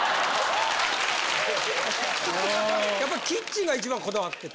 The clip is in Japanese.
やっぱりキッチンが一番こだわってた？